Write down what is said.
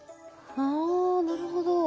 ああなるほど。